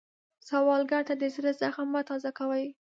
سوالګر ته د زړه زخم مه تازه کوئ